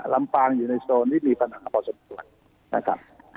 ลำปางอยู่ในโซนนี้มีปัญหาพอสมควร